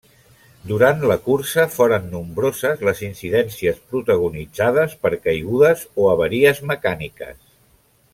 Durant la cursa foren nombroses les incidències protagonitzades per caigudes o avaries mecàniques.